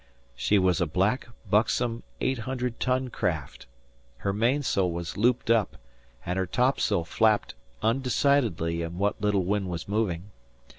She was a black, buxom, eight hundred ton craft. Her mainsail was looped up, and her topsail flapped undecidedly in what little wind was moving.